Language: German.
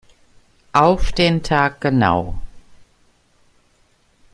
Auf den Tag genau.